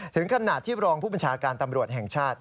ถึงขนาดที่รองผู้บัญชาการตำรวจแห่งชาติ